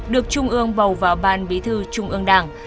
được trung ương bầu vào ban bí thư trung ương đảng